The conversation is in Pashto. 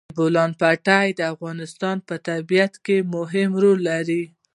د بولان پټي د افغانستان په طبیعت کې مهم رول لري.